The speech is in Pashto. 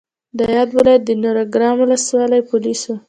د یاد ولایت د نورګرام ولسوالۍ پولیسو